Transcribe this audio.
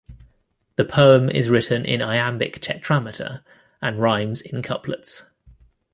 The poem is written in iambic tetrameter and rhymes in couplets.